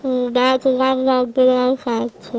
udah cuma mau berlai lai saja